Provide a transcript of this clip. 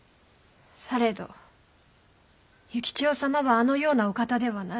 されど幸千代様はあのようなお方ではない。